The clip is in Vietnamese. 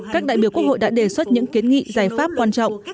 các đại biểu quốc hội đã đề xuất những kiến nghị giải pháp quan trọng